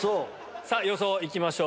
さあ、予想いきましょう。